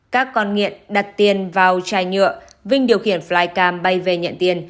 các con nghiện đặt tiền vào chai nhựa vinh điều khiển flycam bay về nhận tiền